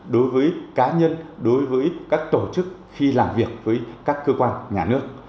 đối với cá nhân đối với các tổ chức khi làm việc với các cơ quan nhà nước